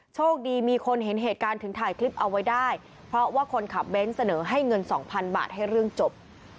โชคดีมีคนเห็นเหตุการณ์ถึงถ่ายคลิปเอาไว้ได้เพราะว่าคนขับเบ้นเสนอให้เงินสองพันบาทให้เรื่องจบ